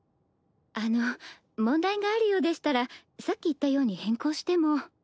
あの問題があるようでしたらさっき言ったように変更しても。